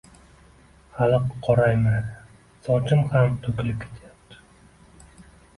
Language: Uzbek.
hali qoraymadi, sochim ham to’kilib ketyapti